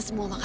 ya udah yuk